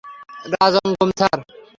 Rajangam, sir.